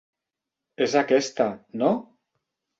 És aquesta, no?